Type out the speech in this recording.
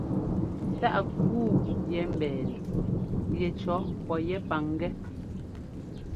Taʼ kúu yɛ́ mbɛɛnɛ yɛcʉɔ pɔ yɛ́ pangɛ́.